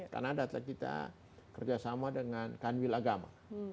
karena data kita kerjasama dengan kanwil agama